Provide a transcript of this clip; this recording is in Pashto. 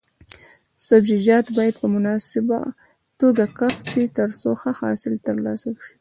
سبزیجات باید په مناسبه توګه کښت شي ترڅو ښه حاصل ترلاسه شي.